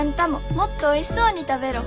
もっとおいしそうに食べろ。